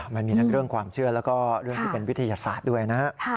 มันมีทั้งเรื่องความเชื่อแล้วก็เรื่องที่เป็นวิทยาศาสตร์ด้วยนะครับ